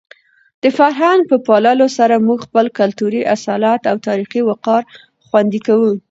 د فرهنګ په پاللو سره موږ خپل کلتوري اصالت او تاریخي وقار خوندي کوو.